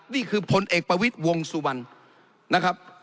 นี่คือพลเอกประวิทย์วงสุวรรณนะครับ